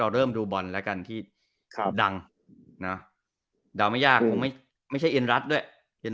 เริ่มดูบอลแล้วกันที่ดังนะเดาไม่ยากคงไม่ใช่เอ็นรัฐด้วย